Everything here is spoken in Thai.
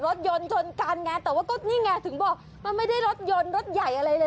รถยนต์ชนกันไงแต่ว่าก็นี่ไงถึงบอกมันไม่ได้รถยนต์รถใหญ่อะไรเลย